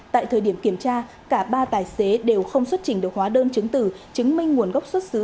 tại thời điểm kiểm tra cả ba tài xế đều không xuất trình được hóa đơn chứng tử chứng minh nguồn gốc xuất xứ